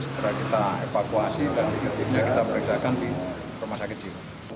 segera kita evakuasi dan timnya kita periksakan di rumah sakit jiwa